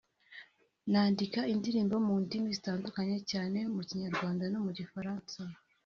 nandika indirimbo mu ndimi zitandukanye cyane mu Kinyarwanda no mu Gifaransa